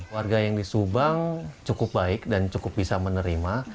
warga yang di subang cukup baik dan cukup bisa menerima